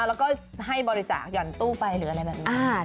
แล้วก็ให้บริจาคหย่อนตู้ไปหรืออะไรแบบนี้